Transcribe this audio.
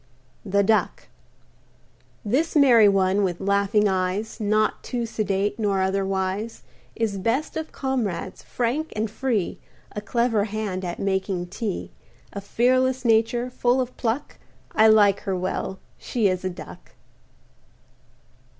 THE DUCK This merry one, with laughing eyes, Not too sedate nor overwise, Is best of comrades; frank and free, A clever hand at making tea; A fearless nature, full of pluck, I like her well she is a Duck.